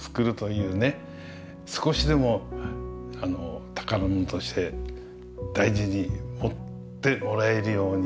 少しでも宝物として大事に持ってもらえるようにね